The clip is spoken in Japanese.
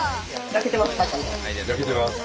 焼けてます。